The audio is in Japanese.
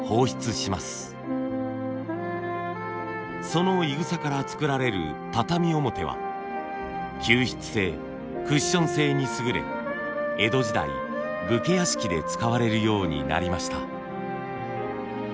そのいぐさから作られる畳表は吸湿性クッション性に優れ江戸時代武家屋敷で使われるようになりました。